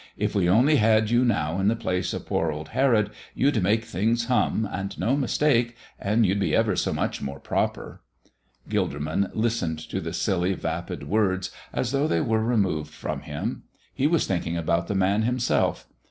If we only had you now in the place of poor old Herod, you'd make things hum, and no mistake, and you'd be ever so much more proper." Gilderman listened to the silly, vapid words as though they were removed from him. He was thinking about the Man himself.